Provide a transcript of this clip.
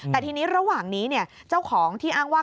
แต่ทีนี้ระหว่างนี้เจ้าของที่อ้างว่า